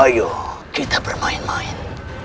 ayo kita bermain main